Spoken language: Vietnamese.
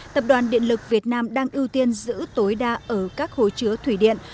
tập đoàn điện lực việt nam đang ưu tiên giữ tối đa ở các hối chứa thủy điện